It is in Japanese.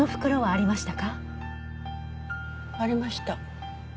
ありました。